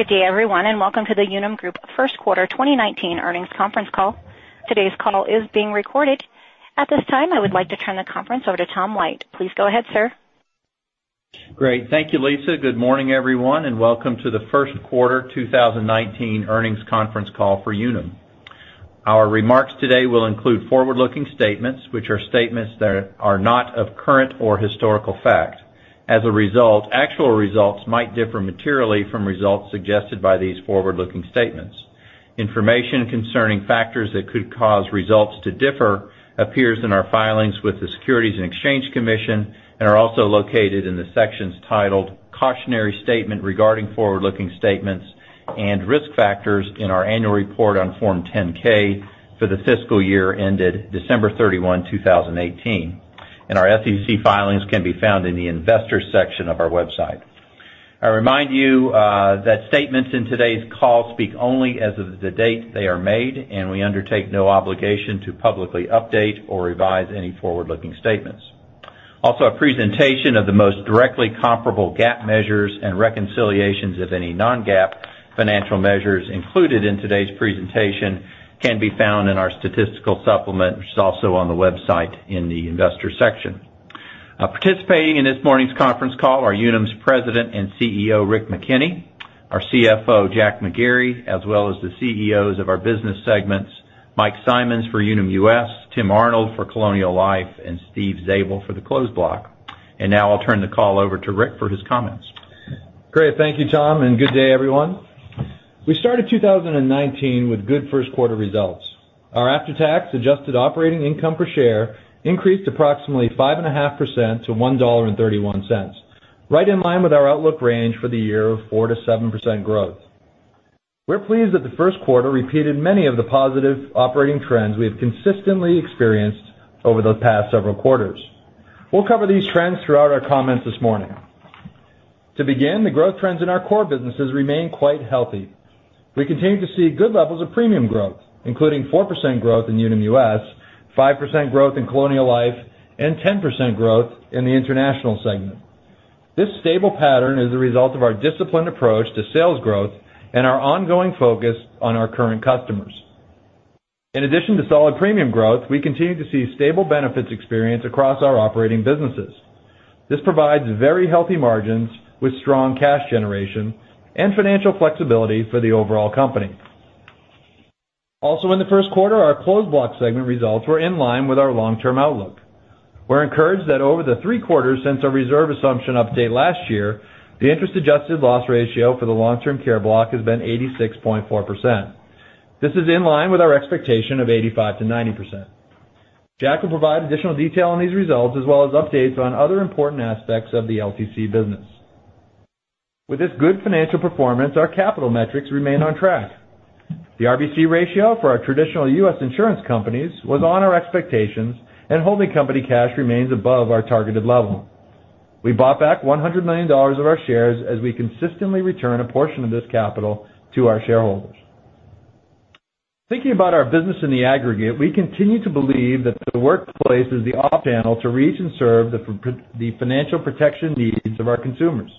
Good day, everyone, and welcome to the Unum Group first quarter 2019 earnings conference call. Today's call is being recorded. At this time, I would like to turn the conference over to Tom White. Please go ahead, sir. Great. Thank you, Lisa. Good morning, everyone, and welcome to the first quarter 2019 earnings conference call for Unum. Our remarks today will include forward-looking statements, which are statements that are not of current or historical fact. As a result, actual results might differ materially from results suggested by these forward-looking statements. Information concerning factors that could cause results to differ appears in our filings with the Securities and Exchange Commission and are also located in the sections titled "Cautionary Statement regarding forward-looking statements" and "Risk factors" in our annual report on Form 10-K for the fiscal year ended December 31, 2018. Our SEC filings can be found in the investor section of our website. I remind you that statements in today's call speak only as of the date they are made, and we undertake no obligation to publicly update or revise any forward-looking statements. Also, a presentation of the most directly comparable GAAP measures and reconciliations of any non-GAAP financial measures included in today's presentation can be found in our statistical supplement, which is also on the website in the investor section. Participating in this morning's conference call are Unum's President and CEO, Rick McKenney, our CFO, Jack McGarry, as well as the CEOs of our business segments, Mike Simonds for Unum US, Tim Arnold for Colonial Life, and Steve Zabel for the Closed Block. Now I'll turn the call over to Rick for his comments. Great. Thank you, Tom, and good day everyone. We started 2019 with good first quarter results. Our after-tax adjusted operating income per share increased approximately 5.5% to $1.31, right in line with our outlook range for the year of 4%-7% growth. We're pleased that the first quarter repeated many of the positive operating trends we have consistently experienced over the past several quarters. We'll cover these trends throughout our comments this morning. To begin, the growth trends in our core businesses remain quite healthy. We continue to see good levels of premium growth, including 4% growth in Unum US, 5% growth in Colonial Life, and 10% growth in the International segment. This stable pattern is a result of our disciplined approach to sales growth and our ongoing focus on our current customers. In addition to solid premium growth, we continue to see stable benefits experience across our operating businesses. This provides very healthy margins with strong cash generation and financial flexibility for the overall company. In the first quarter, our Closed Block segment results were in line with our long-term outlook. We're encouraged that over the three quarters since our reserve assumption update last year, the interest-adjusted loss ratio for the long-term care block has been 86.4%. This is in line with our expectation of 85%-90%. Jack will provide additional detail on these results, as well as updates on other important aspects of the LTC business. With this good financial performance, our capital metrics remain on track. The RBC ratio for our traditional U.S. insurance companies was on our expectations, and holding company cash remains above our targeted level. We bought back $100 million of our shares as we consistently return a portion of this capital to our shareholders. Thinking about our business in the aggregate, we continue to believe that the workplace is the optimal channel to reach and serve the financial protection needs of our consumers.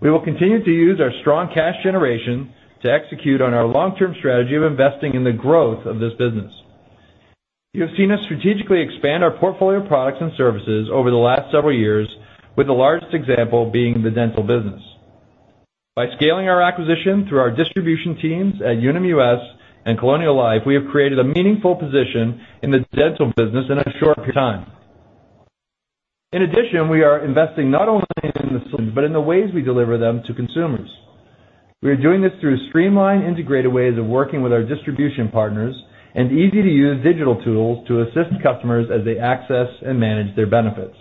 We will continue to use our strong cash generation to execute on our long-term strategy of investing in the growth of this business. You have seen us strategically expand our portfolio of products and services over the last several years, with the largest example being the dental business. By scaling our acquisition through our distribution teams at Unum US and Colonial Life, we have created a meaningful position in the dental business in a short period of time. We are investing not only in the solutions but in the ways we deliver them to consumers. We are doing this through streamlined, integrated ways of working with our distribution partners and easy-to-use digital tools to assist customers as they access and manage their benefits.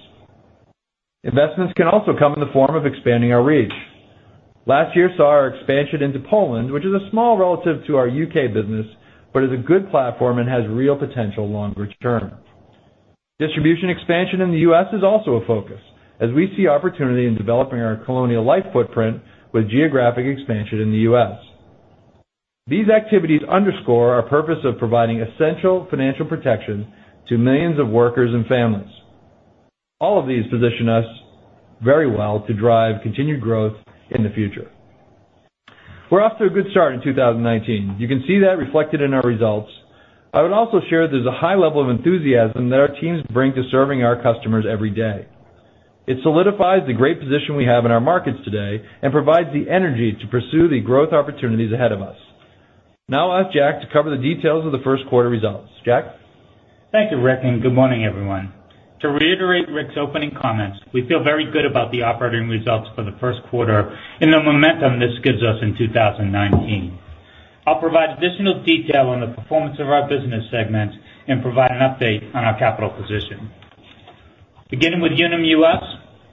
Investments can also come in the form of expanding our reach. Last year saw our expansion into Poland, which is small relative to our U.K. business, but is a good platform and has real potential longer term. Distribution expansion in the U.S. is also a focus as we see opportunity in developing our Colonial Life footprint with geographic expansion in the U.S. These activities underscore our purpose of providing essential financial protection to millions of workers and families. These position us very well to drive continued growth in the future. We're off to a good start in 2019. You can see that reflected in our results. I would also share there's a high level of enthusiasm that our teams bring to serving our customers every day. It solidifies the great position we have in our markets today and provides the energy to pursue the growth opportunities ahead of us. I'll ask Jack to cover the details of the first quarter results. Jack. Thank you, Rick, and good morning, everyone. To reiterate Rick's opening comments, we feel very good about the operating results for the first quarter and the momentum this gives us in 2019. I'll provide additional detail on the performance of our business segment and provide an update on our capital position. Beginning with Unum US,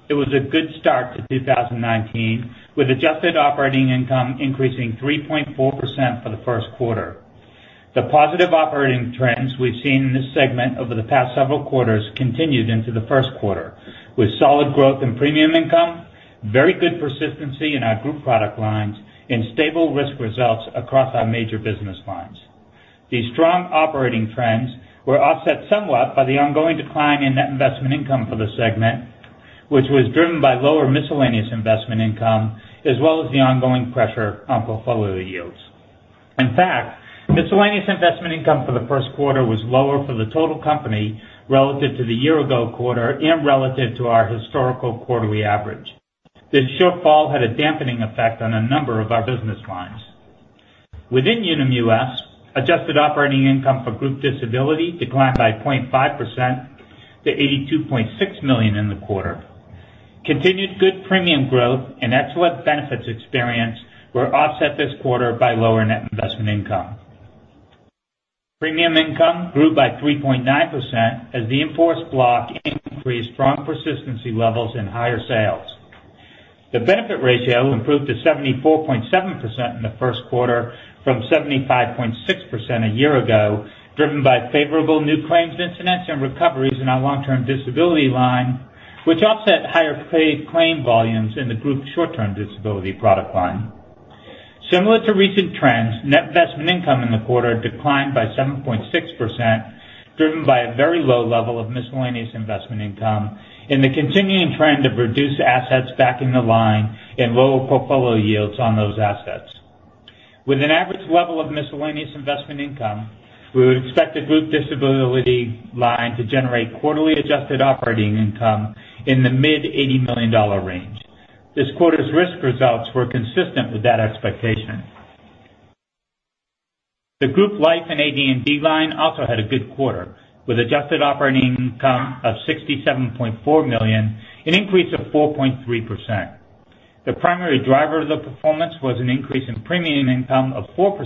it was a good start to 2019, with adjusted operating income increasing 3.4% for the first quarter. The positive operating trends we've seen in this segment over the past several quarters continued into the first quarter, with solid growth in premium income, very good persistency in our group product lines, and stable risk results across our major business lines. These strong operating trends were offset somewhat by the ongoing decline in net investment income for the segment, which was driven by lower miscellaneous investment income as well as the ongoing pressure on portfolio yields. In fact, miscellaneous investment income for the first quarter was lower for the total company relative to the year-ago quarter and relative to our historical quarterly average. This shortfall had a dampening effect on a number of our business lines. Within Unum US, adjusted operating income for group disability declined by 0.5% to $82.6 million in the quarter. Continued good premium growth and excellent benefits experience were offset this quarter by lower net investment income. Premium income grew by 3.9% as the in-force block increased strong persistency levels and higher sales. The benefit ratio improved to 74.7% in the first quarter from 75.6% a year ago, driven by favorable new claims incidence and recoveries in our long-term disability line, which offset higher paid claim volumes in the group short-term disability product line. Similar to recent trends, net investment income in the quarter declined by 7.6%, driven by a very low level of miscellaneous investment income and the continuing trend of reduced assets backing the line and lower portfolio yields on those assets. With an average level of miscellaneous investment income, we would expect the group disability line to generate quarterly adjusted operating income in the mid-$80 million range. This quarter's risk results were consistent with that expectation. The group life and AD&D line also had a good quarter, with adjusted operating income of $67.4 million, an increase of 4.3%. The primary driver of the performance was an increase in premium income of 4%,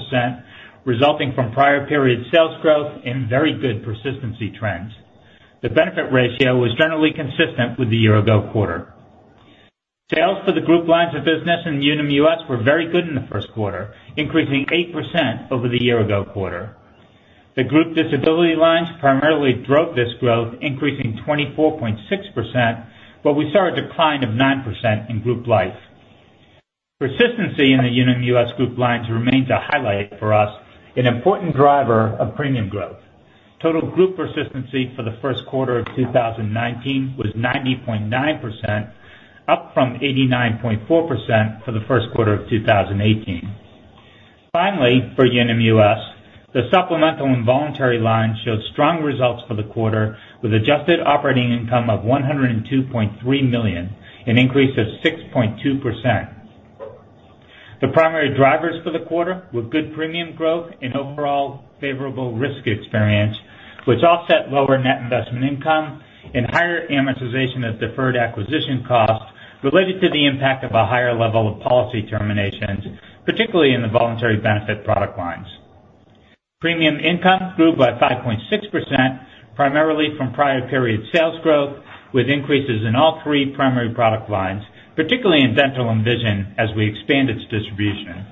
resulting from prior period sales growth and very good persistency trends. The benefit ratio was generally consistent with the year-ago quarter. Sales for the group lines of business in Unum US were very good in the first quarter, increasing 8% over the year-ago quarter. The group disability lines primarily drove this growth, increasing 24.6%, but we saw a decline of 9% in group life. Persistency in the Unum US group lines remains a highlight for us, an important driver of premium growth. Total group persistency for the first quarter of 2019 was 90.9%, up from 89.4% for the first quarter of 2018. Finally, for Unum US, the supplemental and voluntary line showed strong results for the quarter, with adjusted operating income of $102.3 million, an increase of 6.2%. The primary drivers for the quarter were good premium growth and overall favorable risk experience, which offset lower net investment income and higher amortization of deferred acquisition costs related to the impact of a higher level of policy terminations, particularly in the voluntary benefit product lines. Premium income grew by 5.6%, primarily from prior period sales growth, with increases in all three primary product lines, particularly in dental and vision, as we expand its distribution.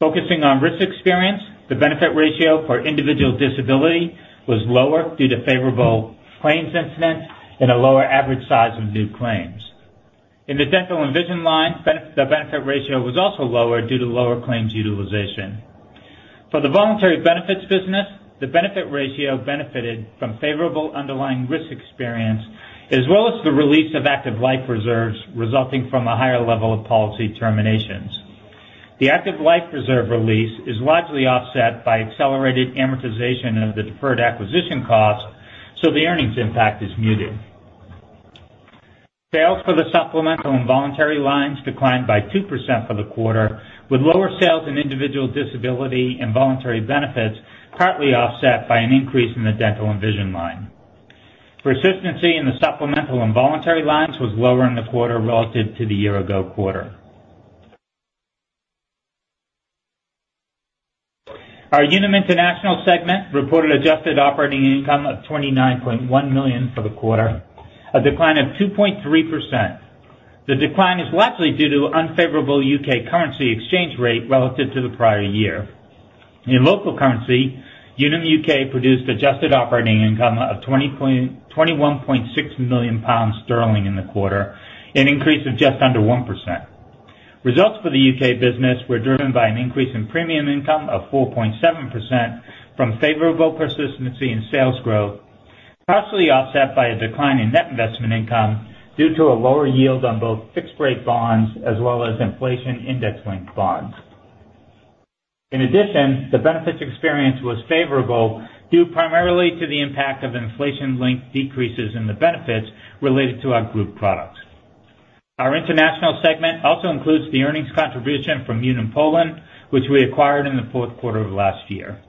Focusing on risk experience, the benefit ratio for individual disability was lower due to favorable claims incidence and a lower average size of new claims. In the dental and vision line, the benefit ratio was also lower due to lower claims utilization. For the voluntary benefits business, the benefit ratio benefited from favorable underlying risk experience as well as the release of active life reserves resulting from a higher level of policy terminations. The active life reserve release is largely offset by accelerated amortization of the deferred acquisition cost, so the earnings impact is muted. Sales for the supplemental and voluntary lines declined by 2% for the quarter, with lower sales in individual disability and voluntary benefits partly offset by an increase in the dental and vision line. Persistency in the supplemental and voluntary lines was lower in the quarter relative to the year-ago quarter. Our Unum International segment reported adjusted operating income of $29.1 million for the quarter, a decline of 2.3%. The decline is largely due to unfavorable U.K. currency exchange rate relative to the prior year. In local currency, Unum UK produced adjusted operating income of £21.6 million in the quarter, an increase of just under 1%. Results for the U.K. business were driven by an increase in premium income of 4.7% from favorable persistency and sales growth, partially offset by a decline in net investment income due to a lower yield on both fixed-rate bonds as well as inflation index-linked bonds. In addition, the benefits experience was favorable due primarily to the impact of inflation-linked decreases in the benefits related to our group products. Our International segment also includes the earnings contribution from Unum Poland, which we acquired in the fourth quarter of last year.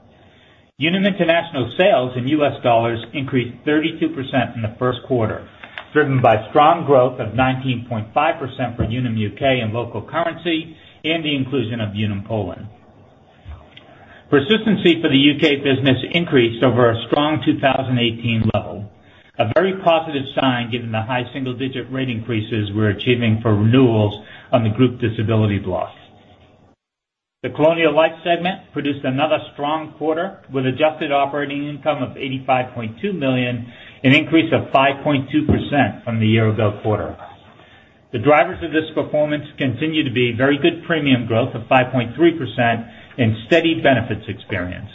Unum International sales in U.S. dollars increased 32% in the first quarter, driven by strong growth of 19.5% for Unum UK in local currency and the inclusion of Unum Poland. Persistency for the U.K. business increased over a strong 2018 level, a very positive sign given the high single-digit rate increases we're achieving for renewals on the group disability block. The Colonial Life segment produced another strong quarter, with adjusted operating income of $85.2 million, an increase of 5.2% from the year-ago quarter. The drivers of this performance continue to be very good premium growth of 5.3% and steady benefits experience.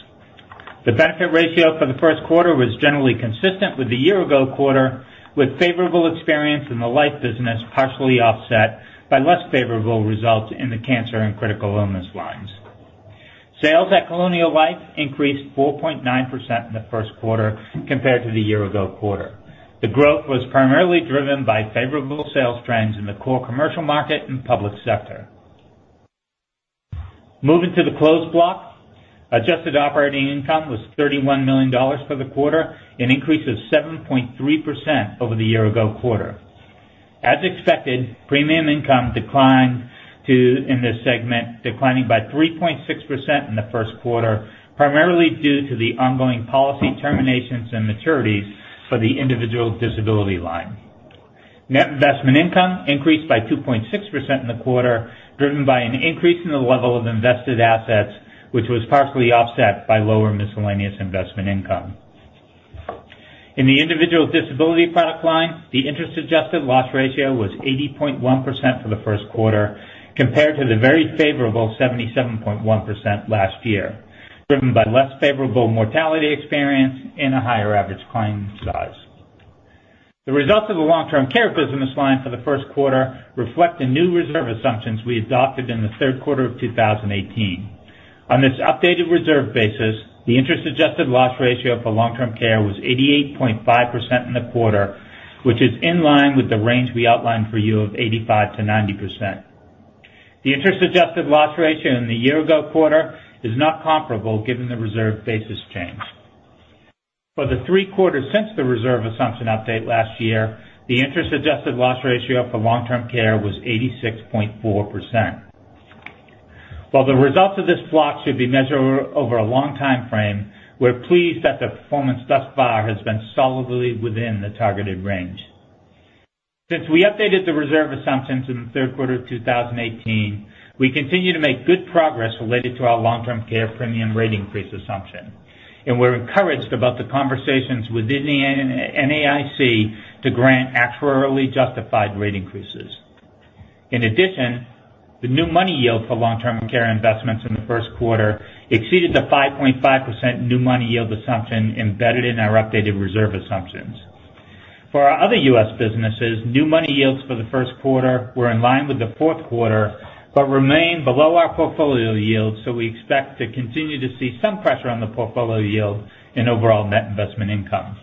The benefit ratio for the first quarter was generally consistent with the year-ago quarter, with favorable experience in the life business, partially offset by less favorable results in the cancer and critical illness lines. Sales at Colonial Life increased 4.9% in the first quarter compared to the year-ago quarter. The growth was primarily driven by favorable sales trends in the core commercial market and public sector. Moving to the Closed Block, adjusted operating income was $31 million for the quarter, an increase of 7.3% over the year-ago quarter. As expected, premium income declined too in this segment, declining by 3.6% in the first quarter, primarily due to the ongoing policy terminations and maturities for the individual disability line. Net investment income increased by 2.6% in the quarter, driven by an increase in the level of invested assets, which was partially offset by lower miscellaneous investment income. In the individual disability product line, the interest-adjusted loss ratio was 80.1% for the first quarter compared to the very favorable 77.1% last year, driven by less favorable mortality experience and a higher average claim size. The results of the long-term care business line for the first quarter reflect the new reserve assumptions we adopted in the third quarter of 2018. On this updated reserve basis, the interest-adjusted loss ratio for long-term care was 88.5% in the quarter, which is in line with the range we outlined for you of 85%-90%. The interest-adjusted loss ratio in the year-ago quarter is not comparable given the reserve basis change. For the three quarters since the reserve assumption update last year, the interest-adjusted loss ratio for long-term care was 86.4%. While the results of this block should be measured over a long timeframe, we're pleased that the performance thus far has been solidly within the targeted range. Since we updated the reserve assumptions in the third quarter of 2018, we continue to make good progress related to our long-term care premium rate increase assumption, and we're encouraged about the conversations within the NAIC to grant actuarially justified rate increases. In addition, the new money yield for long-term care investments in the first quarter exceeded the 5.5% new money yield assumption embedded in our updated reserve assumptions. For our other U.S. businesses, new money yields for the first quarter were in line with the fourth quarter but remain below our portfolio yield. We expect to continue to see some pressure on the portfolio yield and overall net investment income.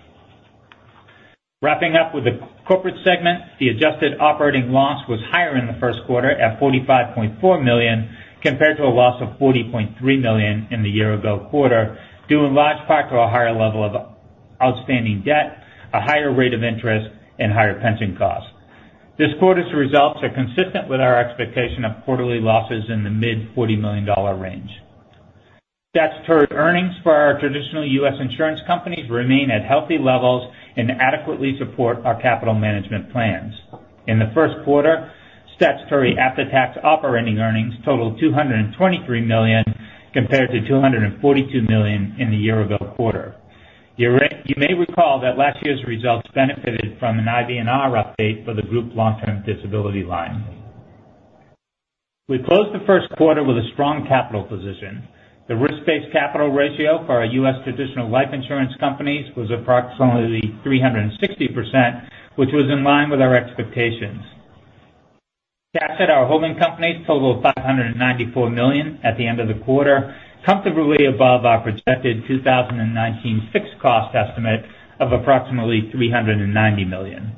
Wrapping up with the corporate segment, the adjusted operating loss was higher in the first quarter at $45.4 million, compared to a loss of $40.3 million in the year-ago quarter, due in large part to a higher level of outstanding debt, a higher rate of interest, and higher pension costs. This quarter's results are consistent with our expectation of quarterly losses in the mid $40 million range. Statutory earnings for our traditional U.S. insurance companies remain at healthy levels and adequately support our capital management plans. In the first quarter, statutory after-tax operating earnings totaled $223 million compared to $242 million in the year-ago quarter. You may recall that last year's results benefited from an IBNR update for the group long-term disability line. We closed the first quarter with a strong capital position. The risk-based capital ratio for our U.S. traditional life insurance companies was approximately 360%, which was in line with our expectations. Cash at our holding companies totaled $594 million at the end of the quarter, comfortably above our projected 2019 fixed cost estimate of approximately $390 million.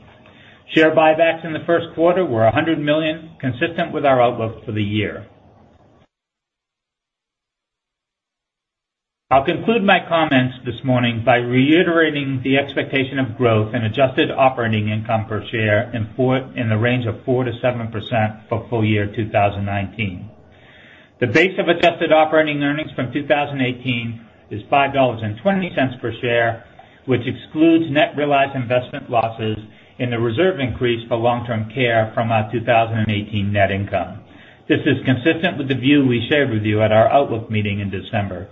Share buybacks in the first quarter were $100 million, consistent with our outlook for the year. I'll conclude my comments this morning by reiterating the expectation of growth in adjusted operating income per share in the range of 4%-7% for full year 2019. The base of adjusted operating earnings from 2018 is $5.20 per share, which excludes net realized investment losses and the reserve increase for long-term care from our 2018 net income. This is consistent with the view we shared with you at our outlook meeting in December.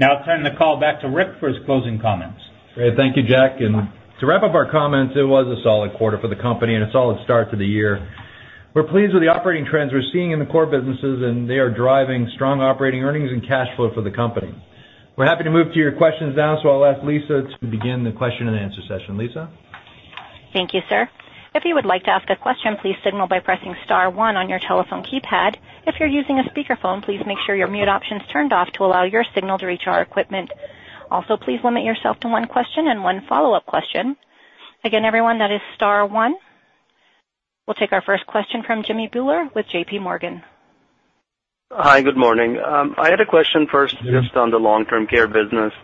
I'll turn the call back to Rick for his closing comments. Great. Thank you, Jack. To wrap up our comments, it was a solid quarter for the company, and a solid start to the year. We're pleased with the operating trends we're seeing in the core businesses, they are driving strong operating earnings and cash flow for the company. We're happy to move to your questions now, I'll ask Lisa to begin the question and answer session. Lisa? Thank you, sir. If you would like to ask a question, please signal by pressing *1 on your telephone keypad. If you're using a speakerphone, please make sure your mute option is turned off to allow your signal to reach our equipment. Please limit yourself to one question and one follow-up question. Again, everyone, that is *1. We'll take our first question from Jimmy Bhullar with J.P. Morgan. Hi. Good morning. I had a question first just on the long-term care business.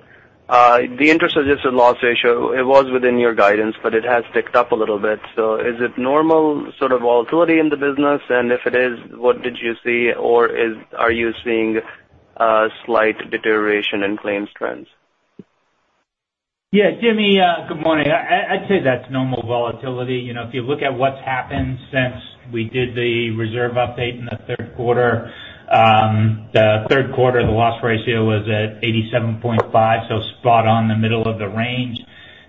The interest-adjusted loss ratio, it was within your guidance, it has ticked up a little bit. Is it normal sort of volatility in the business? If it is, what did you see, or are you seeing a slight deterioration in claims trends? Yeah, Jimmy, good morning. I'd say that's normal volatility. If you look at what's happened since we did the reserve update in the third quarter, the third quarter, the loss ratio was at 87.5, so spot on the middle of the range.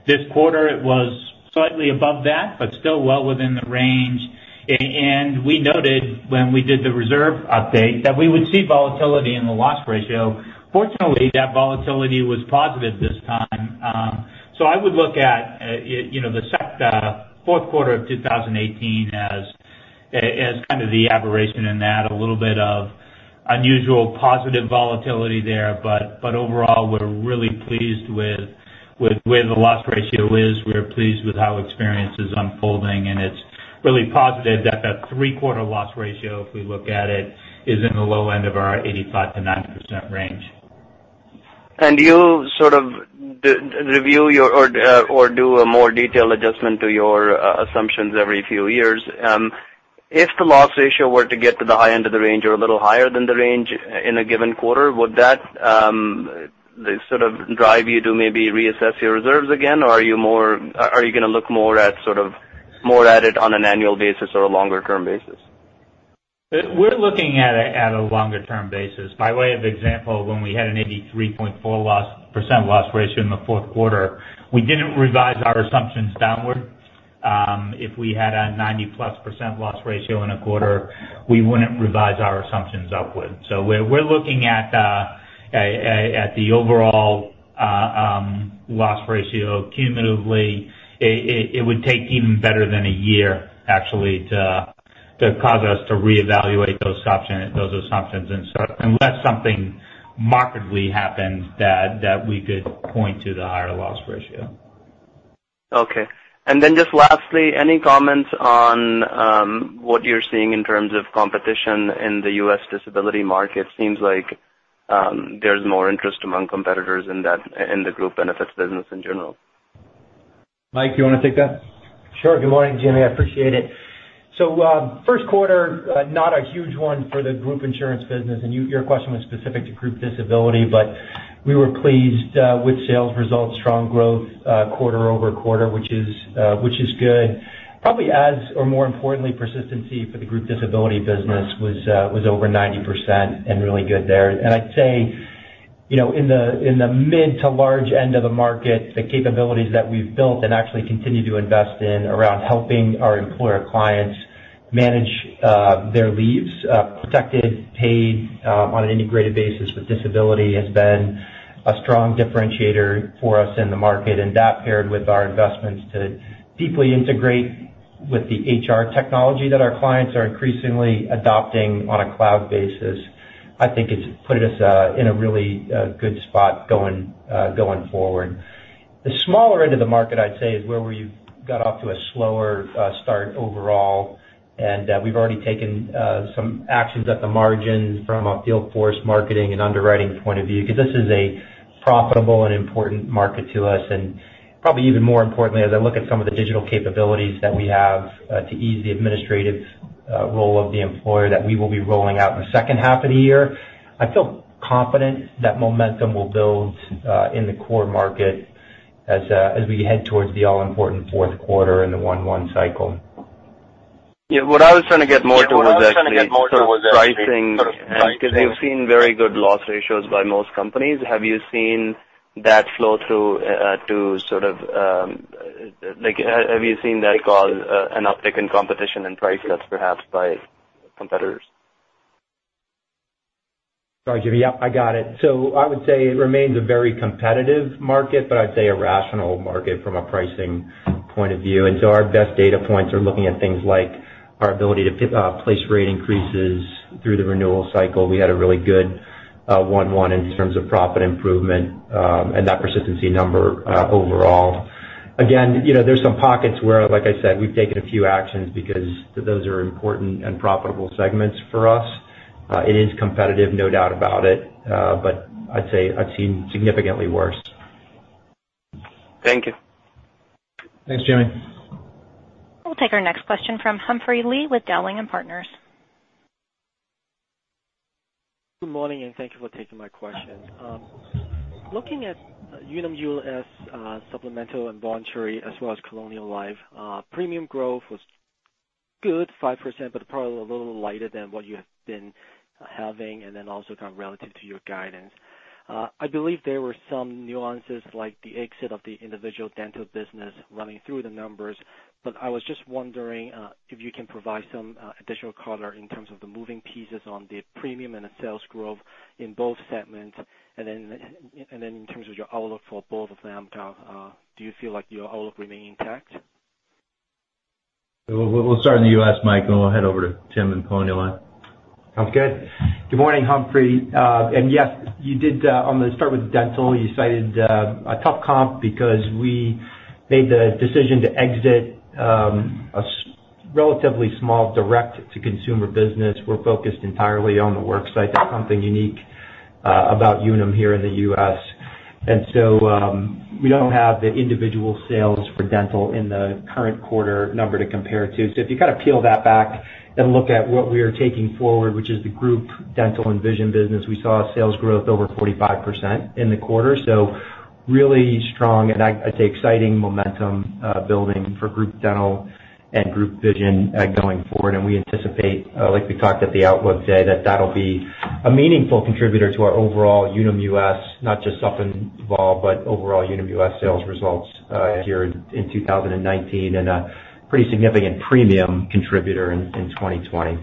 This quarter it was slightly above that, still well within the range. We noted when we did the reserve update that we would see volatility in the loss ratio. Fortunately, that volatility was positive this time. I would look at the fourth quarter of 2018 as kind of the aberration in that, a little bit of unusual positive volatility there. Overall, we're really pleased with where the loss ratio is. We are pleased with how experience is unfolding, and it's really positive that that three-quarter loss ratio, if we look at it, is in the low end of our 85%-90% range. You sort of review or do a more detailed adjustment to your assumptions every few years. If the loss ratio were to get to the high end of the range or a little higher than the range in a given quarter, would that sort of drive you to maybe reassess your reserves again, or are you going to look more at it on an annual basis or a longer-term basis? We're looking at it at a longer-term basis. By way of example, when we had an 83.4% loss ratio in the fourth quarter, we didn't revise our assumptions downward. If we had a 90-plus% loss ratio in a quarter, we wouldn't revise our assumptions upward. We're looking at the overall loss ratio cumulatively. It would take even better than a year, actually, to cause us to reevaluate those assumptions, unless something markedly happened that we could point to the higher loss ratio. Okay. Just lastly, any comments on what you're seeing in terms of competition in the U.S. disability market? Seems like there's more interest among competitors in the group benefits business in general. Mike, you want to take that? Sure. Good morning, Jimmy. I appreciate it. First quarter, not a huge one for the group insurance business, and your question was specific to group disability, but we were pleased with sales results, strong growth quarter-over-quarter, which is good. Probably as, or more importantly, persistency for the group disability business was over 90% and really good there. I'd say, in the mid to large end of the market, the capabilities that we've built and actually continue to invest in around helping our employer clients manage their leaves, protected, paid on an integrated basis with disability, has been a strong differentiator for us in the market. That paired with our investments to deeply integrate with the HR technology that our clients are increasingly adopting on a cloud basis, I think it's put us in a really good spot going forward. The smaller end of the market, I'd say, is where we got off to a slower start overall, and we've already taken some actions at the margin from a field force marketing and underwriting point of view, because this is a profitable and important market to us. Probably even more importantly, as I look at some of the digital capabilities that we have to ease the administrative role of the employer that we will be rolling out in the second half of the year, I feel confident that momentum will build in the core market as we head towards the all-important fourth quarter in the one one cycle. Yeah. What I was trying to get more to was actually sort of pricing, because we've seen very good loss ratios by most companies. Have you seen that flow through to sort of cause an uptick in competition and price cuts, perhaps, by competitors? Sorry, Jimmy. Yep, I got it. I would say it remains a very competitive market, but I'd say a rational market from a pricing point of view. Our best data points are looking at things like our ability to place rate increases through the renewal cycle. We had a really good one-one in terms of profit improvement, and that persistency number overall. There's some pockets where, like I said, we've taken a few actions because those are important and profitable segments for us. It is competitive, no doubt about it. I'd say I've seen significantly worse. Thank you. Thanks, Jimmy. We'll take our next question from Humphrey Lee with Dowling & Partners. Good morning, and thank you for taking my question. Looking at Unum US supplemental and voluntary as well as Colonial Life, premium growth was good 5%, probably a little lighter than what you have been having relative to your guidance. I believe there were some nuances like the exit of the individual dental business running through the numbers, I was just wondering if you can provide some additional color in terms of the moving pieces on the premium and the sales growth in both segments, in terms of your outlook for both of them, do you feel like your outlook remains intact? We'll start in the U.S., Mike, we'll head over to Tim and Colonial Life. Sounds good. Good morning, Humphrey. Yes, I'm going to start with dental. You cited a tough comp because we made the decision to exit a relatively small direct-to-consumer business. We're focused entirely on the work site. That's something unique about Unum here in the U.S. We don't have the individual sales for dental in the current quarter number to compare to. If you kind of peel that back and look at what we are taking forward, which is the group dental and vision business, we saw sales growth over 45% in the quarter. Really strong and I'd say exciting momentum building for group dental and group vision going forward. We anticipate, like we talked at the outlook day, that'll be A meaningful contributor to our overall Unum US, not just supp and vol, overall Unum US sales results here in 2019, and a pretty significant premium contributor in 2020.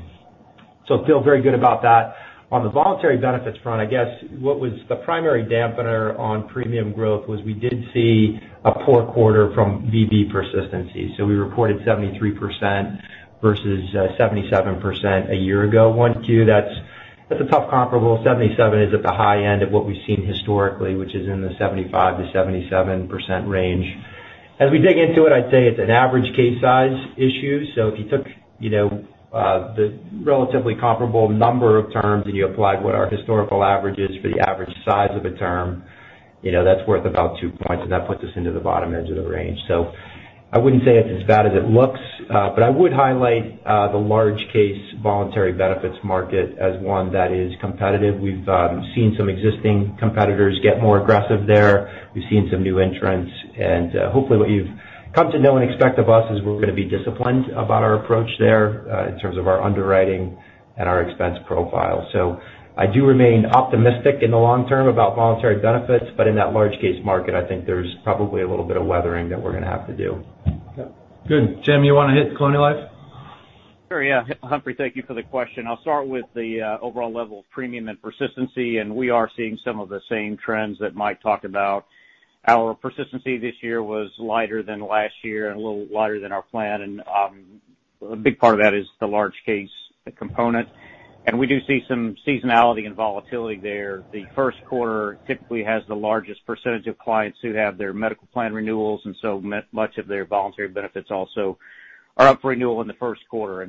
Feel very good about that. On the voluntary benefits front, I guess what was the primary dampener on premium growth was we did see a poor quarter from VB persistency. We reported 73% versus 77% a year ago, Q1. That's a tough comparable. Seventy-seven is at the high end of what we've seen historically, which is in the 75%-77% range. As we dig into it, I'd say it's an average case size issue. If you took the relatively comparable number of terms and you applied what our historical average is for the average size of a term, that's worth about two points, and that puts us into the bottom edge of the range. I wouldn't say it's as bad as it looks. I would highlight the large case Voluntary Benefits market as one that is competitive. We've seen some existing competitors get more aggressive there. We've seen some new entrants, and hopefully what you've come to know and expect of us is we're going to be disciplined about our approach there, in terms of our underwriting and our expense profile. I do remain optimistic in the long term about Voluntary Benefits. In that large case market, I think there's probably a little bit of weathering that we're going to have to do. Good. Tim, you want to hit Colonial Life? Sure, yeah. Humphrey, thank you for the question. I'll start with the overall level of premium and persistency. We are seeing some of the same trends that Mike talked about. Our persistency this year was lighter than last year and a little lighter than our plan. A big part of that is the large case component. We do see some seasonality and volatility there. The first quarter typically has the largest percentage of clients who have their medical plan renewals, and so much of their Voluntary Benefits also are up for renewal in the first quarter.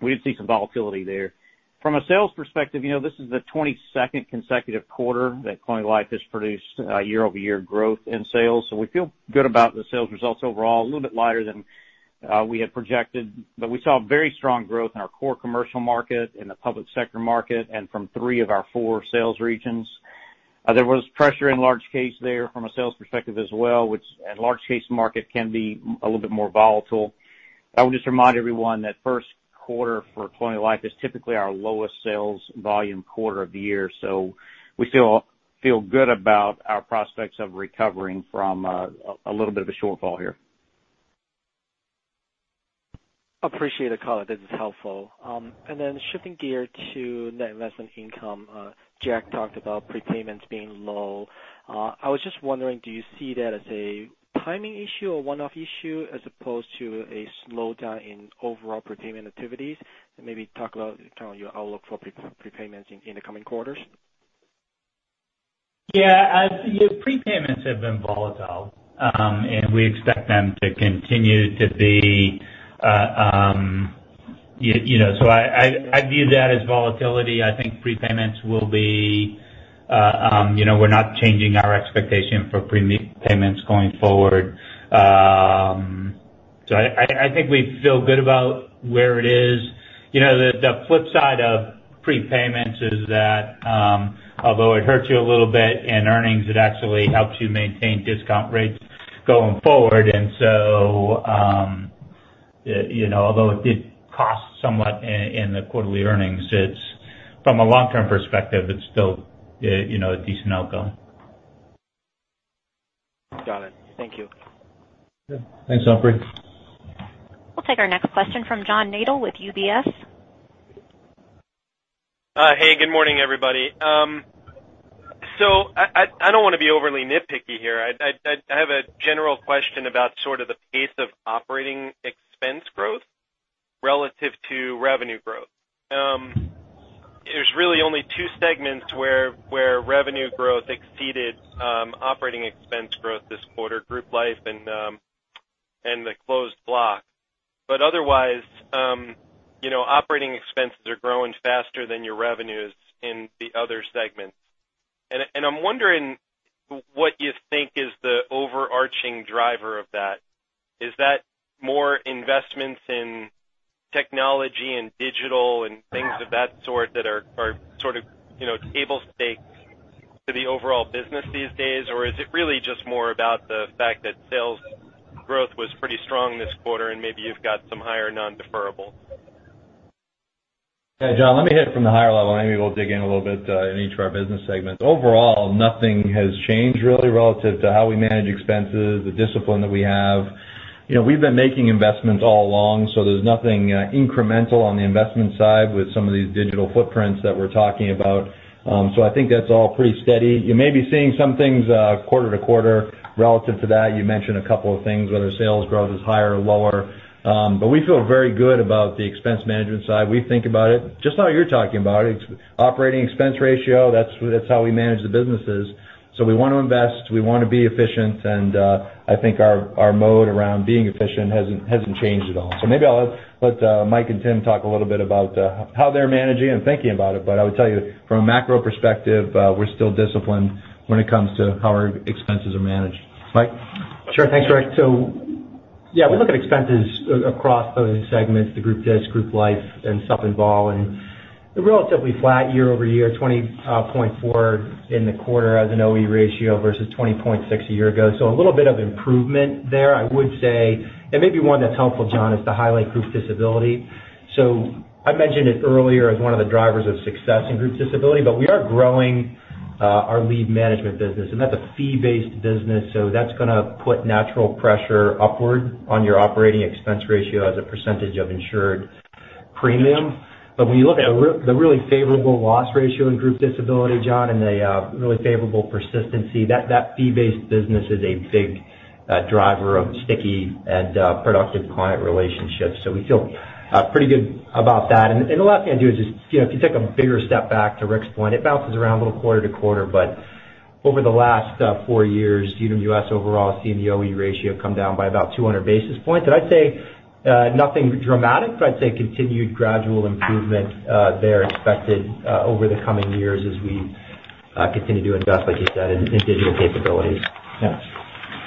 We see some volatility there. From a sales perspective, this is the 22nd consecutive quarter that Colonial Life has produced year-over-year growth in sales. We feel good about the sales results overall. A little bit lighter than we had projected. We saw very strong growth in our core commercial market, in the public sector market, and from three of our four sales regions. There was pressure in large case there from a sales perspective as well. Large case market can be a little bit more volatile. I would just remind everyone that first quarter for Colonial Life is typically our lowest sales volume quarter of the year. We feel good about our prospects of recovering from a little bit of a shortfall here. Appreciate the color. This is helpful. Then shifting gear to net investment income. Jack talked about prepayments being low. I was just wondering, do you see that as a timing issue or one-off issue as opposed to a slowdown in overall prepayment activities? Maybe talk about your outlook for prepayments in the coming quarters. Yeah. Prepayments have been volatile, we expect them to continue to be. I view that as volatility. I think prepayments We're not changing our expectation for prepayments going forward. I think we feel good about where it is. The flip side of prepayments is that although it hurts you a little bit in earnings, it actually helps you maintain discount rates going forward. Although it did cost somewhat in the quarterly earnings, from a long-term perspective, it's still a decent outcome. Got it. Thank you. Good. Thanks, Humphrey. We'll take our next question from John Nadel with UBS. Hey, good morning, everybody. I don't want to be overly nitpicky here. I have a general question about sort of the pace of operating expense growth relative to revenue growth. There's really only two segments where revenue growth exceeded operating expense growth this quarter, group life and the Closed Block. Otherwise, operating expenses are growing faster than your revenues in the other segments. I'm wondering what you think is the overarching driver of that. Is that more investments in technology and digital and things of that sort that are sort of table stakes to the overall business these days, or is it really just more about the fact that sales growth was pretty strong this quarter and maybe you've got some higher non-deferrable? Yeah, John, let me hit it from the higher level, and maybe we'll dig in a little bit in each of our business segments. Overall, nothing has changed, really, relative to how we manage expenses, the discipline that we have. We've been making investments all along, so there's nothing incremental on the investment side with some of these digital footprints that we're talking about. I think that's all pretty steady. You may be seeing some things quarter to quarter relative to that. You mentioned a couple of things, whether sales growth is higher or lower. We feel very good about the expense management side. We think about it just how you're talking about it. Operating expense ratio, that's how we manage the businesses. We want to invest. We want to be efficient, and I think our mode around being efficient hasn't changed at all. Maybe I'll let Mike and Tim talk a little bit about how they're managing and thinking about it. I would tell you from a macro perspective, we're still disciplined when it comes to how our expenses are managed. Mike? Sure. Thanks, Rick. Yeah, we look at expenses across those segments, the group disc, group life, and supp and vol, and they're relatively flat year-over-year, 20.4 in the quarter as an OE ratio versus 20.6 a year ago. A little bit of improvement there, I would say. And maybe one that's helpful, John, is to highlight Group Disability. I mentioned it earlier as one of the drivers of success in Group Disability, but we are growing our leave management business, and that's a fee-based business. That's going to put natural pressure upward on your operating expense ratio as a percentage of insured premium. But when you look at the really favorable loss ratio in Group Disability, John, and the really favorable persistency, that fee-based business is a big driver of sticky and productive client relationships. We feel pretty good about that. The last thing I do is just, if you take a bigger step back to Rick's point, it bounces around a little quarter-to-quarter, but over the last four years, Unum US overall has seen the OE ratio come down by about 200 basis points. I'd say nothing dramatic, but I'd say continued gradual improvement there expected over the coming years as we continue to invest, like you said, in digital capabilities. Yeah.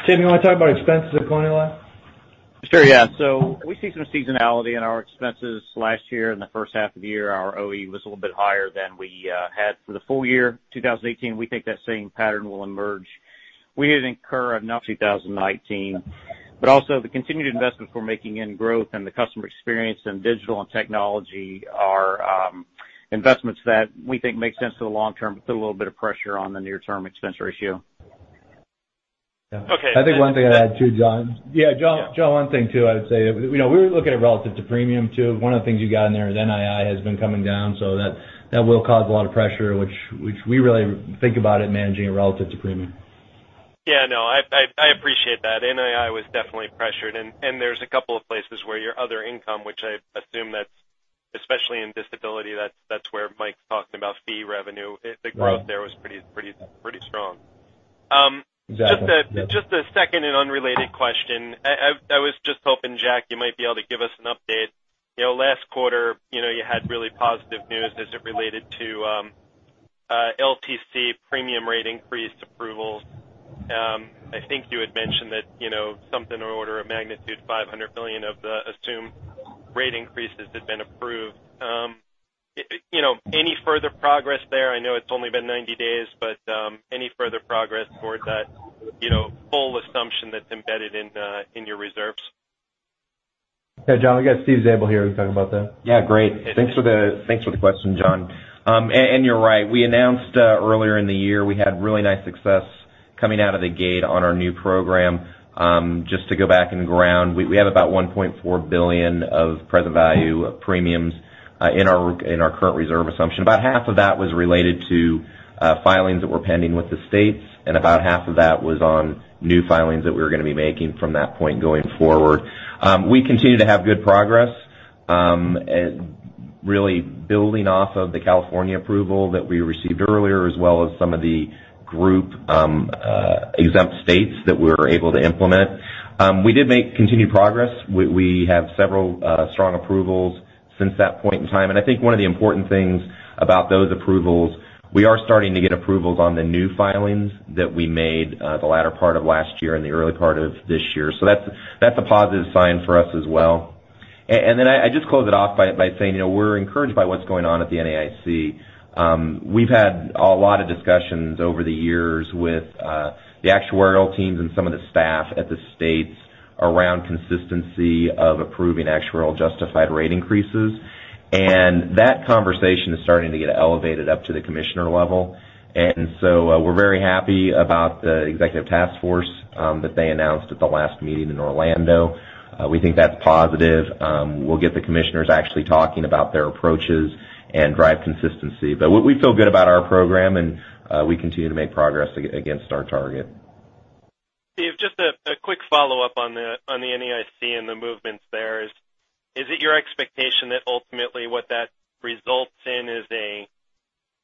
Tim, you want to talk about expenses at the claim level? Sure, yeah. We see some seasonality in our expenses. Last year, in the first half of the year, our OE was a little bit higher than we had for the full year 2018. We think that same pattern will emerge. We did incur enough 2019, but also the continued investments we're making in growth and the customer experience in digital and technology are investments that we think make sense for the long term, but put a little bit of pressure on the near-term expense ratio. Yeah. Okay. I think one thing I'd add, too, John. Yeah, John, one thing too, I would say, we look at it relative to premium, too. One of the things you got in there is NII has been coming down, so that will cause a lot of pressure, which we really think about in managing it relative to premium. Yeah, no, I appreciate that. NII was definitely pressured, there's a couple of places where your other income, which I assume that's especially in disability, that's where Mike's talking about fee revenue. Right. The growth there was pretty strong. Exactly. Yeah. Just a second and unrelated question. I was just hoping, Jack, you might be able to give us an update. Last quarter, you had really positive news as it related to LTC premium rate increase approvals. I think you had mentioned that something on order of magnitude $500 million of the assumed rate increases had been approved. Any further progress there? I know it's only been 90 days, but any further progress toward that full assumption that's embedded in your reserves? Yeah, John, we got Steve Zabel here who can talk about that. Yeah, great. Thanks for the question, John. You're right, we announced earlier in the year, we had really nice success coming out of the gate on our new program. Just to go back on the ground, we have about $1.4 billion of present value premiums in our current reserve assumption. About half of that was related to filings that were pending with the states, and about half of that was on new filings that we were going to be making from that point going forward. We continue to have good progress, really building off of the California approval that we received earlier, as well as some of the group exempt states that we were able to implement. We did make continued progress. We have several strong approvals since that point in time. I think one of the important things about those approvals, we are starting to get approvals on the new filings that we made the latter part of last year and the early part of this year. That's a positive sign for us as well. I just close it off by saying, we're encouraged by what's going on at the NAIC. We've had a lot of discussions over the years with the actuarial teams and some of the staff at the states around consistency of approving actuarial justified rate increases. That conversation is starting to get elevated up to the commissioner level. We're very happy about the executive task force that they announced at the last meeting in Orlando. We think that's positive. We'll get the commissioners actually talking about their approaches and drive consistency. We feel good about our program, and we continue to make progress against our target. Steve, just a quick follow-up on the NAIC and the movements there is it your expectation that ultimately what that results in is a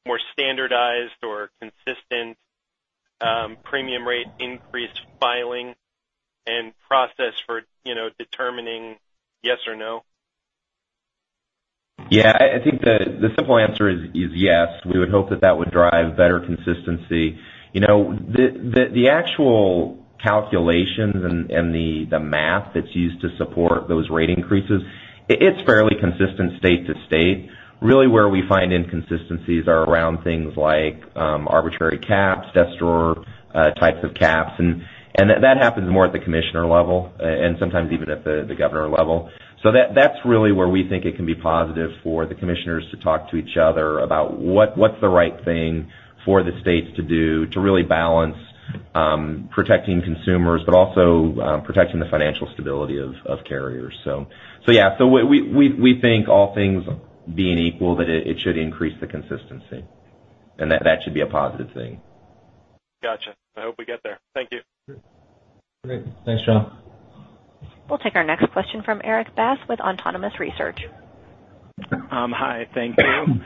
more standardized or consistent premium rate increase filing and process for determining yes or no? Yeah, I think the simple answer is yes. We would hope that that would drive better consistency. The actual calculations and the math that's used to support those rate increases, it's fairly consistent state to state. Really where we find inconsistencies are around things like arbitrary caps, de facto types of caps. That happens more at the commissioner level and sometimes even at the governor level. That's really where we think it can be positive for the commissioners to talk to each other about what's the right thing for the states to do to really balance protecting consumers, but also protecting the financial stability of carriers. Yeah, we think all things being equal, that it should increase the consistency. That should be a positive thing. Got you. I hope we get there. Thank you. Great. Thanks, John. We'll take our next question from Erik Bass with Autonomous Research. Hi. Thank you.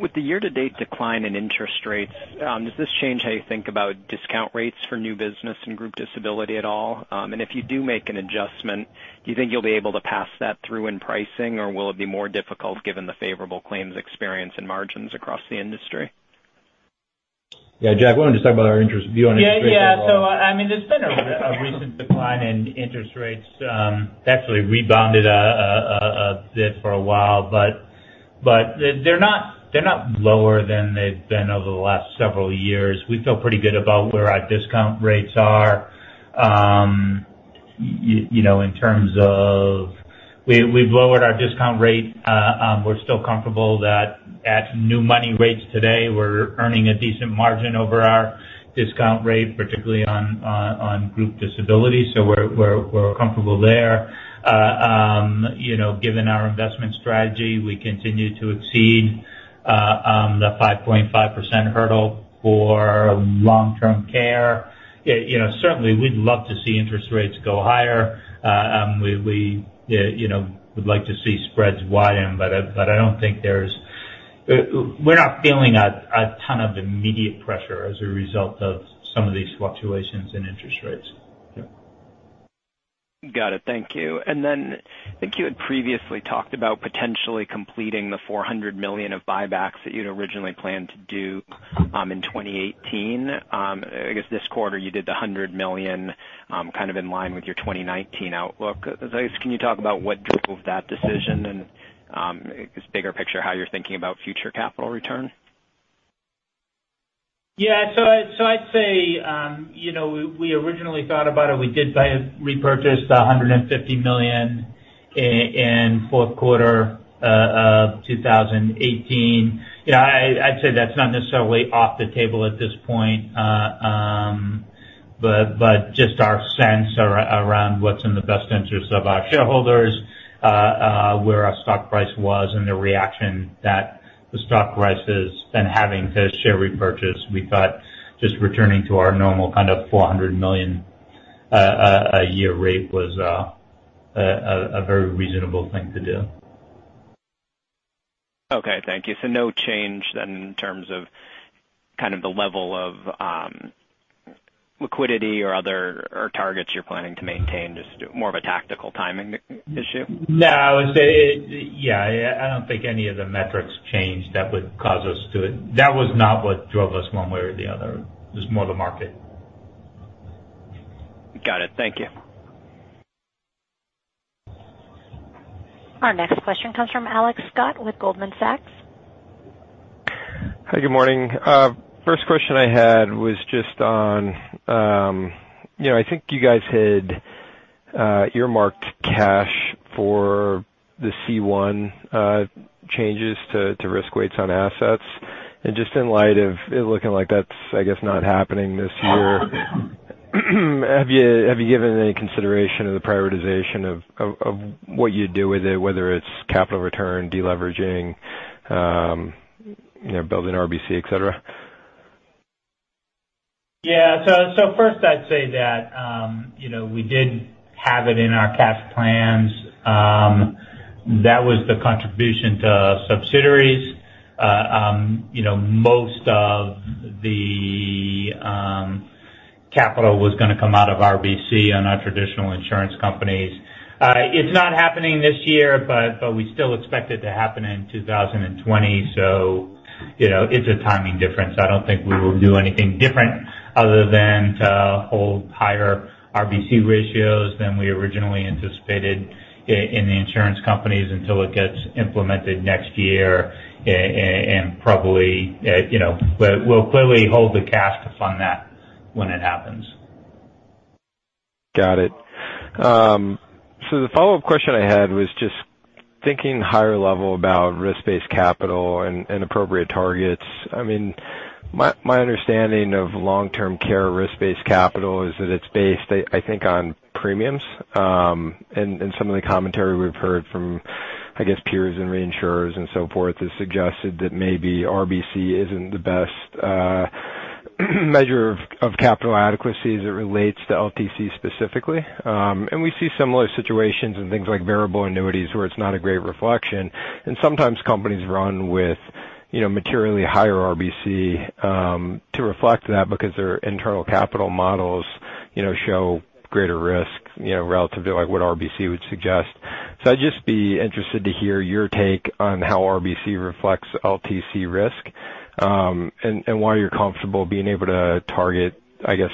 With the year-to-date decline in interest rates, does this change how you think about discount rates for new business and group disability at all? If you do make an adjustment, do you think you'll be able to pass that through in pricing, or will it be more difficult given the favorable claims experience and margins across the industry? Yeah, Jack, why don't you just talk about our view on interest rates overall? Yeah. There's been a recent decline in interest rates. Actually rebounded a bit for a while. They're not lower than they've been over the last several years. We feel pretty good about where our discount rates are. We've lowered our discount rate. We're still comfortable that at new money rates today, we're earning a decent margin over our discount rate, particularly on group disability. We're comfortable there. Given our investment strategy, we continue to exceed the 5.5% hurdle for long-term care. Certainly, we'd love to see interest rates go higher. We'd like to see spreads widen, but we're not feeling a ton of immediate pressure as a result of some of these fluctuations in interest rates. Got it. Thank you. I think you had previously talked about potentially completing the $400 million of buybacks that you'd originally planned to do in 2018. I guess this quarter you did the $100 million, kind of in line with your 2019 outlook. Can you talk about what drove that decision and, just bigger picture, how you're thinking about future capital return? I'd say, we originally thought about it. We did repurchase $150 million in fourth quarter of 2018. I'd say that's not necessarily off the table at this point. Just our sense around what's in the best interest of our shareholders, where our stock price was and the reaction that the stock price has been having to share repurchase, we thought just returning to our normal $400 million a year rate was a very reasonable thing to do. Okay, thank you. No change then in terms of the level of liquidity or targets you're planning to maintain, just more of a tactical timing issue? No. I would say, I don't think any of the metrics changed. That was not what drove us one way or the other. It was more the market. Got it. Thank you. Our next question comes from Alex Scott with Goldman Sachs. Hi, good morning. First question I had was just on, I think you guys had earmarked cash for the C1 changes to risk weights on assets. Just in light of it looking like that's, I guess, not happening this year, have you given any consideration of the prioritization of what you'd do with it, whether it's capital return, de-leveraging, building RBC, et cetera? Yeah. First I'd say that we did have it in our cash plans. That was the contribution to subsidiaries. Most of the capital was going to come out of RBC on our traditional insurance companies. It's not happening this year, but we still expect it to happen in 2020. It's a timing difference. I don't think we will do anything different other than to hold higher RBC ratios than we originally anticipated in the insurance companies until it gets implemented next year. We'll clearly hold the cash to fund that when it happens. Got it. The follow-up question I had was just thinking higher level about risk-based capital and appropriate targets. My understanding of long-term care risk-based capital is that it's based, I think, on premiums. Some of the commentary we've heard from, I guess, peers and reinsurers and so forth, has suggested that maybe RBC isn't the best measure of capital adequacy as it relates to LTC specifically. We see similar situations in things like variable annuities, where it's not a great reflection. Sometimes companies run with materially higher RBC to reflect that because their internal capital models show greater risk relative to what RBC would suggest. I'd just be interested to hear your take on how RBC reflects LTC risk, and why you're comfortable being able to target, I guess,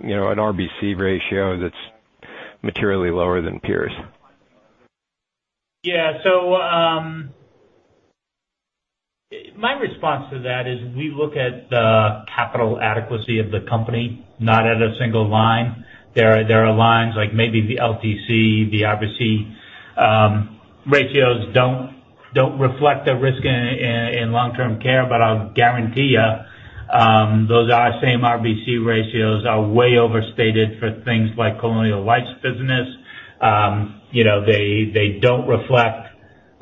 an RBC ratio that's materially lower than peers. My response to that is we look at the capital adequacy of the company, not at a single line. There are lines like maybe the LTC, the RBC ratios don't reflect a risk in long-term care, but I'll guarantee you those same RBC ratios are way overstated for things like Colonial Life's business. They don't reflect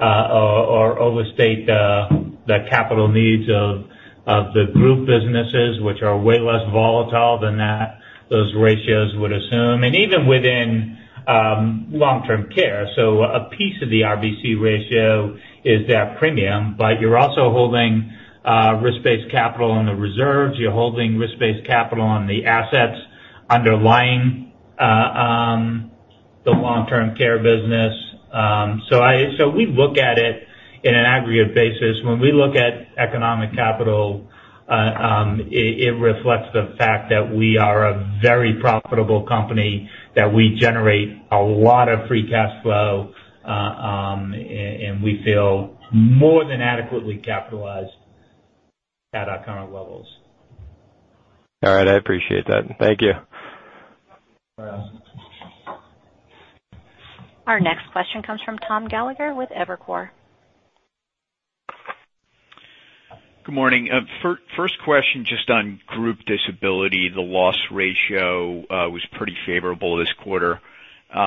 or overstate the capital needs of the group businesses, which are way less volatile than those ratios would assume. Even within long-term care. A piece of the RBC ratio is that premium, but you're also holding risk-based capital in the reserves. You're holding risk-based capital on the assets underlying the long-term care business. We look at it in an aggregate basis. When we look at economic capital. It reflects the fact that we are a very profitable company, that we generate a lot of free cash flow, and we feel more than adequately capitalized at our current levels. All right. I appreciate that. Thank you. No problem. Our next question comes from Tom Gallagher with Evercore. Good morning. First question, just on group disability. The loss ratio was pretty favorable this quarter. Is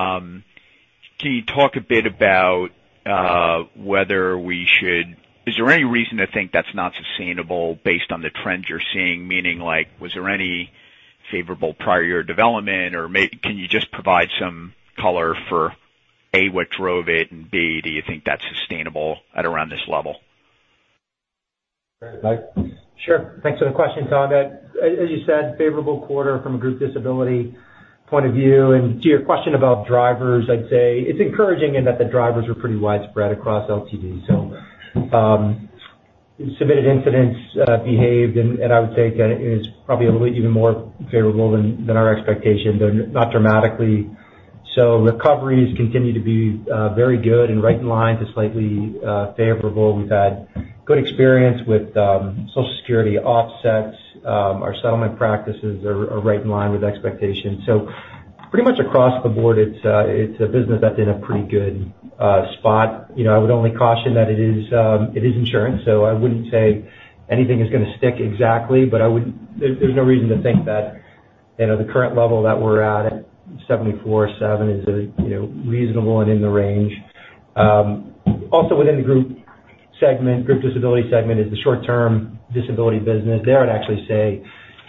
there any reason to think that's not sustainable based on the trends you're seeing? Meaning, was there any favorable prior year development, or can you just provide some color for, A, what drove it, and B, do you think that's sustainable at around this level? Mike? Sure. Thanks for the question, Tom. As you said, favorable quarter from a group disability point of view. To your question about drivers, I'd say it's encouraging in that the drivers were pretty widespread across LTD. Submitted incidents behaved, and I would say it is probably a little even more favorable than our expectations, though not dramatically. Recoveries continue to be very good and right in line to slightly favorable. We've had good experience with Social Security offsets. Our settlement practices are right in line with expectations. Pretty much across the board, it's a business that's in a pretty good spot. I would only caution that it is insurance, so I wouldn't say anything is going to stick exactly. There's no reason to think that the current level that we're at 74.7 is reasonable and in the range. Also, within the group segment, group disability segment is the short-term disability business. There, I'd actually say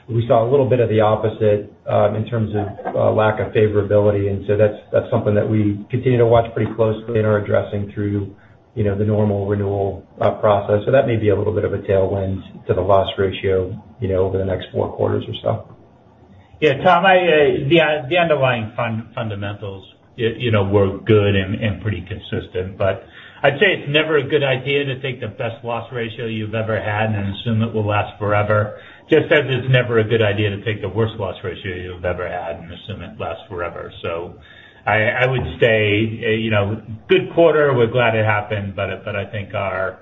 we saw a little bit of the opposite in terms of lack of favorability. That's something that we continue to watch pretty closely and are addressing through the normal renewal process. That may be a little bit of a tailwind to the loss ratio over the next four quarters or so. Tom, the underlying fundamentals were good and pretty consistent. I'd say it's never a good idea to take the best loss ratio you've ever had and assume it will last forever, just as it's never a good idea to take the worst loss ratio you've ever had and assume it lasts forever. I would say, good quarter. We're glad it happened. I think our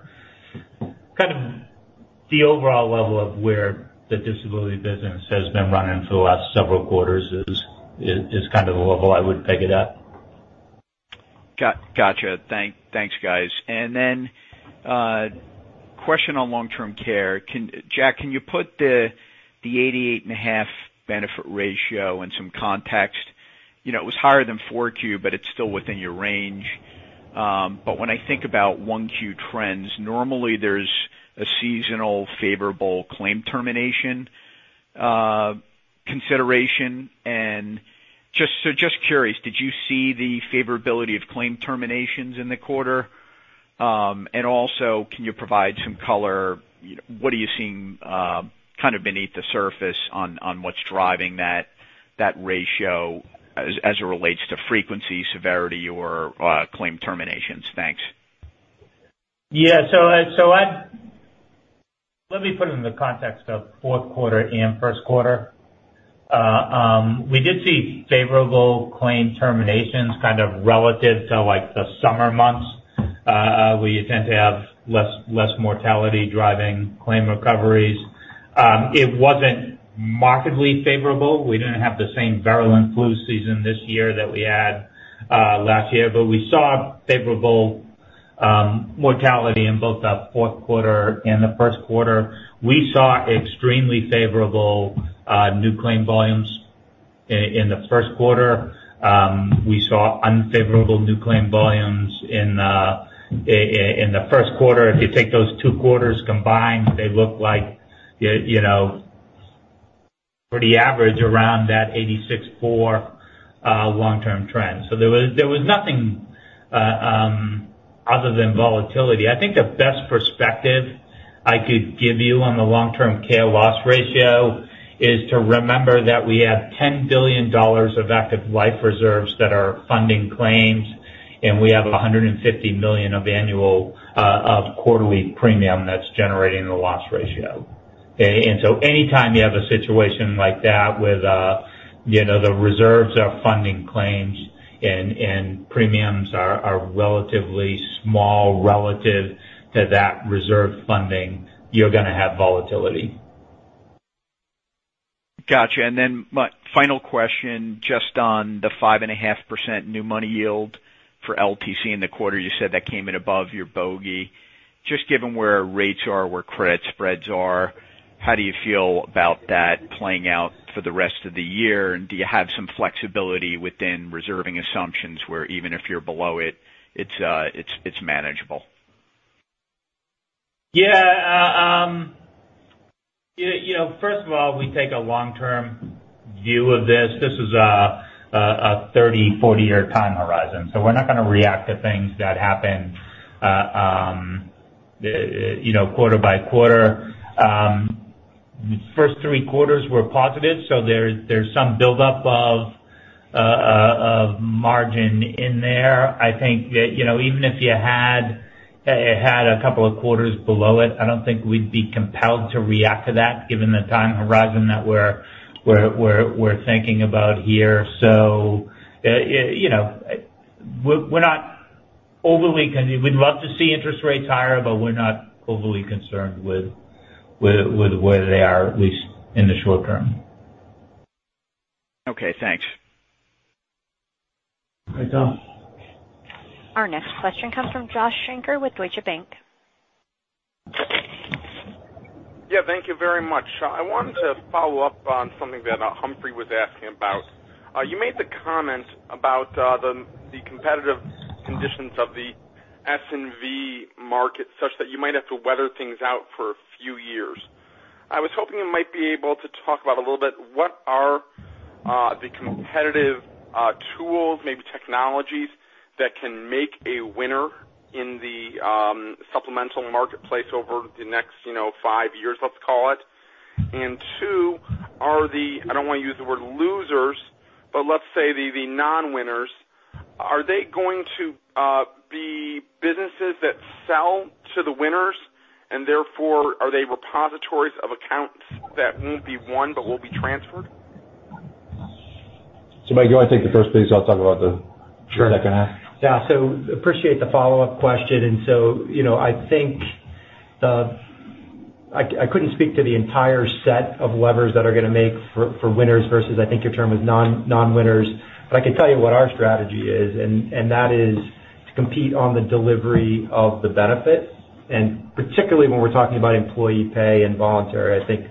kind of the overall level of where the disability business has been running for the last several quarters is kind of the level I would peg it at. Gotcha. Thanks, guys. A question on long-term care. Jack, can you put the 88.5 benefit ratio in some context? It was higher than 4Q, but it's still within your range. When I think about 1Q trends, normally there's a seasonal favorable claim termination consideration. Just curious, did you see the favorability of claim terminations in the quarter? Also, can you provide some color? What are you seeing kind of beneath the surface on what's driving that ratio as it relates to frequency, severity, or claim terminations? Thanks. Let me put it in the context of fourth quarter and first quarter. We did see favorable claim terminations kind of relative to the summer months where you tend to have less mortality driving claim recoveries. It wasn't markedly favorable. We didn't have the same virulent flu season this year that we had last year. We saw favorable mortality in both the fourth quarter and the first quarter. We saw extremely favorable new claim volumes in the first quarter. We saw unfavorable new claim volumes in the first quarter. If you take those two quarters combined, they look like pretty average around that 86.4 long-term trend. There was nothing other than volatility. I think the best perspective I could give you on the long-term care loss ratio is to remember that we have $10 billion of active life reserves that are funding claims. We have $150 million of quarterly premium that's generating the loss ratio. Okay? Anytime you have a situation like that with the reserves are funding claims and premiums are relatively small relative to that reserve funding, you're going to have volatility. Got you. Final question, just on the 5.5% new money yield for LTC in the quarter, you said that came in above your bogey. Given where rates are, where credit spreads are, how do you feel about that playing out for the rest of the year? Do you have some flexibility within reserving assumptions where even if you're below it's manageable? Yeah. First of all, we take a long-term view of this. This is a 30, 40-year time horizon. We're not going to react to things that happen quarter by quarter. First three quarters were positive. There's some buildup of Of margin in there. I think that even if it had a couple of quarters below it, I don't think we'd be compelled to react to that given the time horizon that we're thinking about here. We'd love to see interest rates higher. We're not overly concerned with where they are, at least in the short term. Okay, thanks. Hi, Tom. Our next question comes from Josh Shanker with Deutsche Bank. Yeah, thank you very much. I wanted to follow up on something that Humphrey was asking about. You made the comment about the competitive conditions of the S&V market, such that you might have to weather things out for a few years. I was hoping you might be able to talk about a little bit, what are the competitive tools, maybe technologies, that can make a winner in the supplemental marketplace over the next five years, let's call it? Two, are the, I don't want to use the word losers, but let's say the non-winners. Are they going to be businesses that sell to the winners and therefore are they repositories of accounts that won't be won but will be transferred? Mike, you want to take the first piece? I'll talk about the second half. Sure. Yeah, appreciate the follow-up question. I think I couldn't speak to the entire set of levers that are going to make for winners versus, I think your term was non-winners, but I can tell you what our strategy is, and that is to compete on the delivery of the benefits. Particularly when we're talking about employee pay and voluntary, I think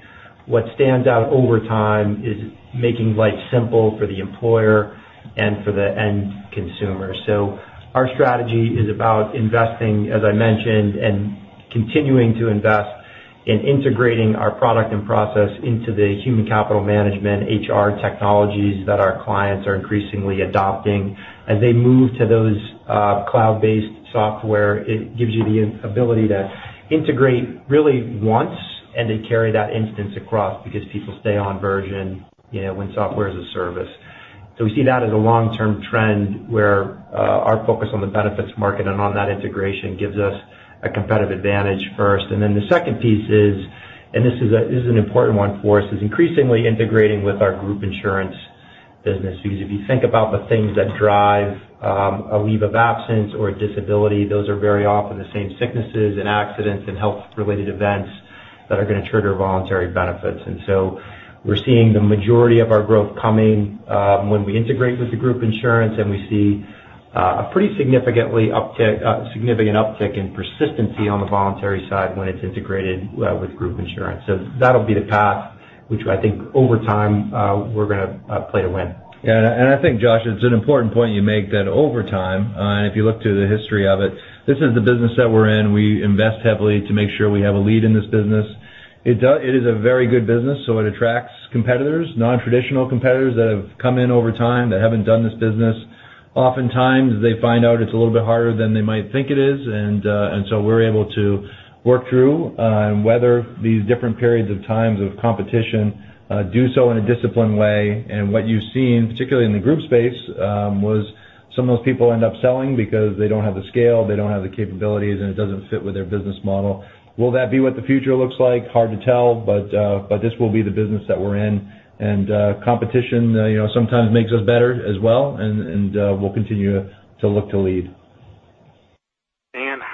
what stands out over time is making life simple for the employer and for the end consumer. Our strategy is about investing, as I mentioned, and continuing to invest in integrating our product and process into the human capital management HR technologies that our clients are increasingly adopting. As they move to those cloud-based software, it gives you the ability to integrate really once and then carry that instance across because people stay on version when software is a service. We see that as a long-term trend where our focus on the benefits market and on that integration gives us a competitive advantage first. The second piece is, and this is an important one for us, is increasingly integrating with our group insurance business. If you think about the things that drive a leave of absence or a disability, those are very often the same sicknesses and accidents and health-related events that are going to trigger voluntary benefits. We're seeing the majority of our growth coming when we integrate with the group insurance, and we see a pretty significant uptick in persistency on the voluntary side when it's integrated with group insurance. That'll be the path which I think over time, we're going to play to win. Yeah, I think, Josh, it's an important point you make that over time, and if you look through the history of it, this is the business that we're in. We invest heavily to make sure we have a lead in this business. It is a very good business, it attracts competitors, non-traditional competitors that have come in over time that haven't done this business. Oftentimes, they find out it's a little bit harder than they might think it is, we're able to work through and weather these different periods of times of competition, do so in a disciplined way, what you've seen, particularly in the group space, was some of those people end up selling because they don't have the scale, they don't have the capabilities, and it doesn't fit with their business model. Will that be what the future looks like? Hard to tell, this will be the business that we're in. Competition sometimes makes us better as well, we'll continue to look to lead.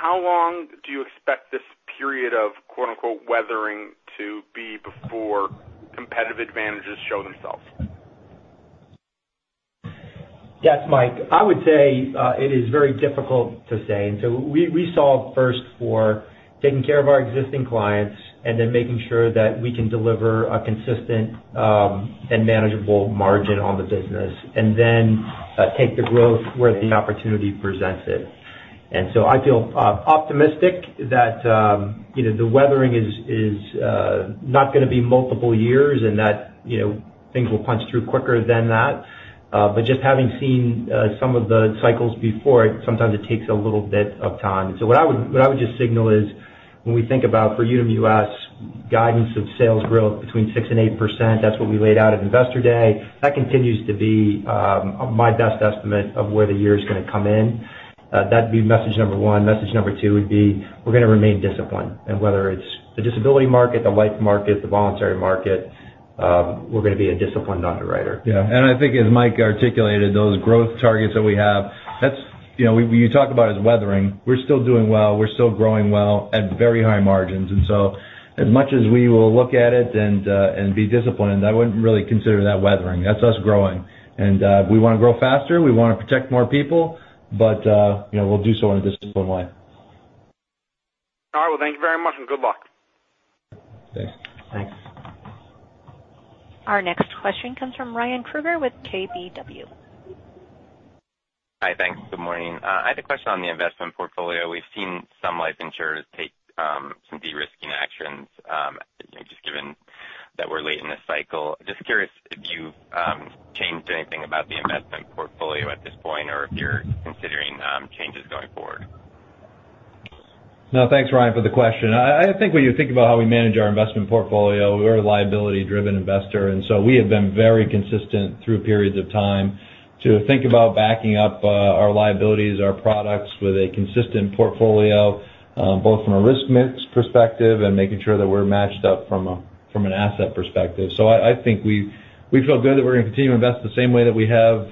How long do you expect this period of "weathering" to be before competitive advantages show themselves? Yes, Mike, I would say it is very difficult to say. We solve first for taking care of our existing clients then making sure that we can deliver a consistent and manageable margin on the business, then take the growth where the opportunity presents it. I feel optimistic that the weathering is not going to be multiple years and that things will punch through quicker than that. Just having seen some of the cycles before, sometimes it takes a little bit of time. What I would just signal is when we think about for Unum US guidance of sales growth between 6% and 8%, that's what we laid out at Investor Day. That continues to be my best estimate of where the year is going to come in. That'd be message number one. Message number two would be we're going to remain disciplined, and whether it's the disability market, the life market, the voluntary market, we're going to be a disciplined underwriter. Yes. I think as Mike articulated, those growth targets that we have, you talk about as weathering. We're still doing well. We're still growing well at very high margins. As much as we will look at it and be disciplined, I wouldn't really consider that weathering. That's us growing. We want to grow faster, we want to protect more people, we'll do so in a disciplined way. All right. Well, thank you very much, and good luck. Thanks. Thanks. Our next question comes from Ryan Krueger with KBW. Hi, thanks. Good morning. I had a question on the investment portfolio. We've seen some life insurers take some de-risking actions, just given that we're late in the cycle. Just curious if you've changed anything about the investment portfolio at this point or if you're considering changes going forward? No. Thanks, Ryan, for the question. I think when you think about how we manage our investment portfolio, we're a liability-driven investor. We have been very consistent through periods of time to think about backing up our liabilities, our products with a consistent portfolio, both from a risk mix perspective and making sure that we're matched up from an asset perspective. I think we feel good that we're going to continue to invest the same way that we have.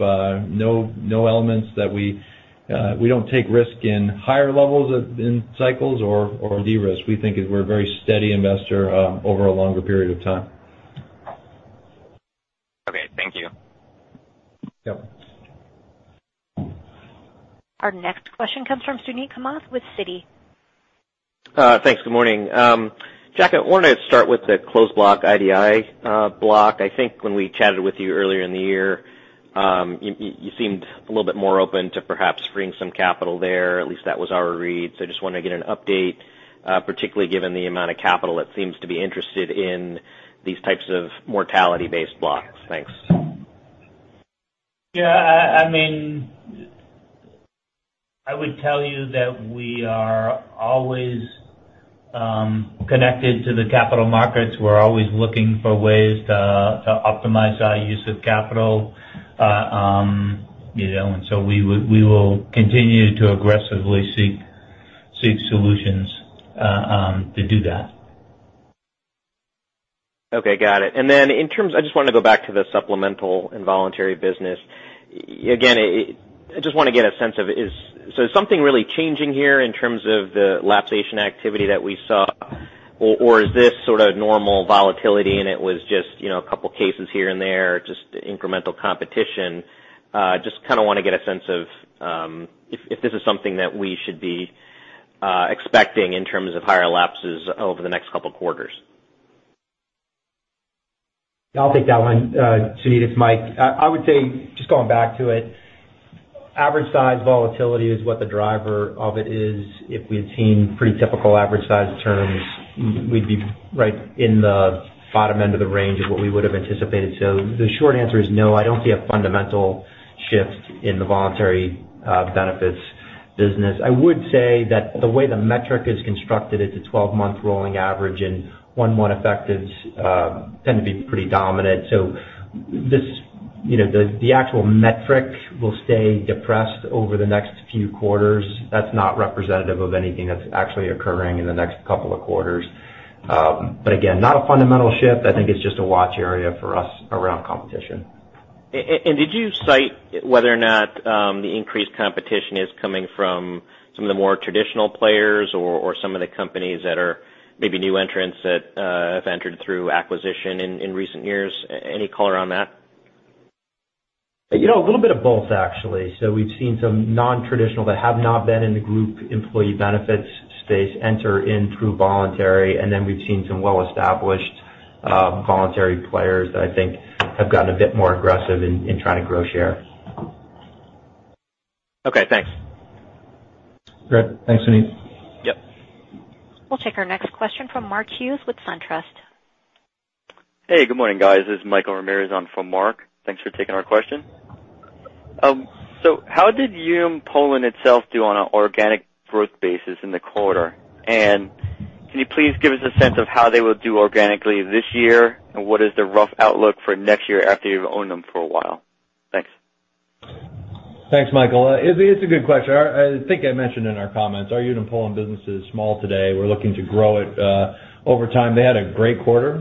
We don't take risk in higher levels in cycles or de-risk. We think we're a very steady investor over a longer period of time. Okay, thank you. Yep. Our next question comes from Suneet Kamath with Citi. Thanks. Good morning. Jack, I wanted to start with the Closed Block IDI block. I think when we chatted with you earlier in the year, you seemed a little bit more open to perhaps freeing some capital there. At least that was our read. I just wanted to get an update, particularly given the amount of capital that seems to be interested in these types of mortality-based blocks. Thanks. Yeah. I would tell you that we are always connected to the capital markets. We're always looking for ways to optimize our use of capital. We will continue to aggressively seek solutions to do that. Okay, got it. I just wanted to go back to the supplemental and voluntary business. Again, I just want to get a sense of it. Is something really changing here in terms of the lapsation activity that we saw, or is this sort of normal volatility, and it was just a couple of cases here and there, just incremental competition? Just kind of want to get a sense of if this is something that we should be expecting in terms of higher lapses over the next couple of quarters. I'll take that one, Suneet. It's Mike. I would say, just going back to it, average size volatility is what the driver of it is. If we attain pretty typical average size terms, we'd be right in the bottom end of the range of what we would have anticipated. The short answer is no, I don't see a fundamental shift in the voluntary benefits business. I would say that the way the metric is constructed, it's a 12-month rolling average, and 1-1 effectives tend to be pretty dominant. The actual metric will stay depressed over the next few quarters. That's not representative of anything that's actually occurring in the next couple of quarters. Again, not a fundamental shift. I think it's just a watch area for us around competition. Did you cite whether or not the increased competition is coming from some of the more traditional players or some of the companies that are maybe new entrants that have entered through acquisition in recent years? Any color on that? A little bit of both, actually. We've seen some non-traditional, that have not been in the group employee benefits space enter in through voluntary, and then we've seen some well-established voluntary players that I think have gotten a bit more aggressive in trying to grow share. Okay, thanks. Great. Thanks, Suneet. Yep. We'll take our next question from Mark Hughes with SunTrust. Hey, good morning, guys. This is Michael Ramirez on for Mark. Thanks for taking our question. How did Unum Poland itself do on an organic growth basis in the quarter? Can you please give us a sense of how they will do organically this year, and what is the rough outlook for next year after you've owned them for a while? Thanks. Thanks, Michael. It's a good question. I think I mentioned in our comments, our Unum Poland business is small today. We're looking to grow it over time. They had a great quarter,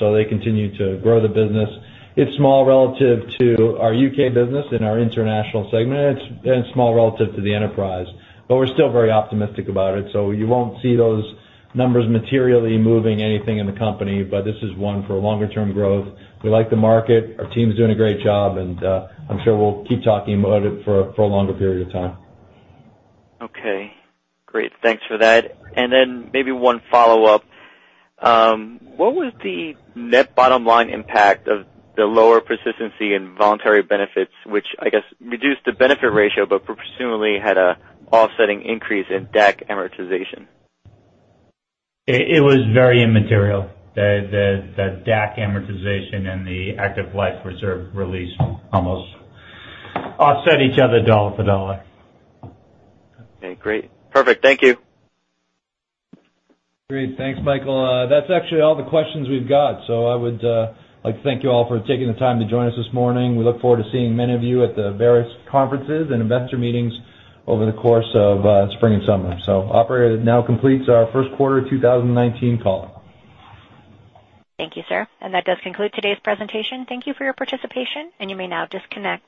so they continue to grow the business. It's small relative to our U.K. business and our international segment. It's small relative to the enterprise. We're still very optimistic about it. You won't see those numbers materially moving anything in the company. This is one for longer term growth. We like the market. Our team's doing a great job, and I'm sure we'll keep talking about it for a longer period of time. Okay, great. Thanks for that. Then maybe one follow-up. What was the net bottom line impact of the lower persistency in voluntary benefits, which I guess reduced the benefit ratio, but presumably had an offsetting increase in DAC amortization? It was very immaterial. The DAC amortization and the active life reserve release almost offset each other dollar for dollar. Okay, great. Perfect. Thank you. Great. Thanks, Michael. That's actually all the questions we've got. I would like to thank you all for taking the time to join us this morning. We look forward to seeing many of you at the various conferences and investor meetings over the course of spring and summer. Operator, that now completes our first quarter 2019 call. Thank you, sir. That does conclude today's presentation. Thank you for your participation, and you may now disconnect.